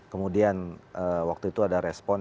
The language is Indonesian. kemudian waktu itu ada respon